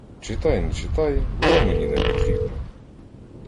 Читай не читай — воно мені не потрібне.